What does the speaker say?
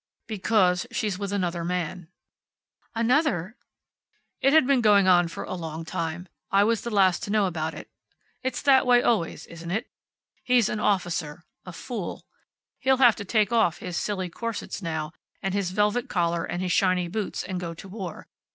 "Because she's with another man." "Another " "It had been going on for a long time. I was the last to know about it. It's that way, always, isn't it? He's an officer. A fool. He'll have to take off his silly corsets now, and his velvet collar, and his shiny boots, and go to war.